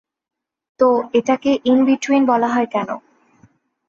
তো, এটাকে in between বলা হয় কেন?